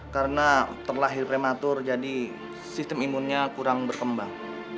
karena terlahir prematur jadi sistem imunnya kurang berkembang